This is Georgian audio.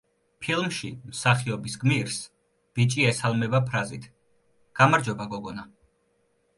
ფილმში მსახიობის გმირს ბიჭი ესალმება ფრაზით: „გამარჯობა გოგონა“.